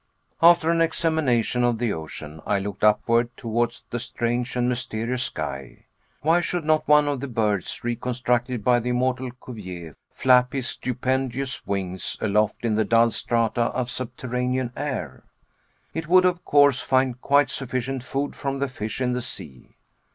After an examination of the ocean, I looked upward, towards the strange and mysterious sky. Why should not one of the birds reconstructed by the immortal Cuvier flap his stupendous wings aloft in the dull strata of subterranean air? It would, of course, find quite sufficient food from the fish in the sea.